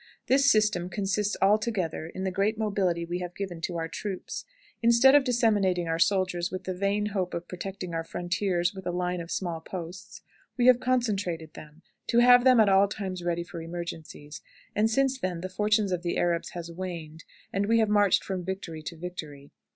This system consists altogether in the great mobility we have given to our troops. Instead of disseminating our soldiers with the vain hope of protecting our frontiers with a line of small posts, we have concentrated them, to have them at all times ready for emergencies, and since then the fortune of the Arabs has waned, and we have marched from victory to victory.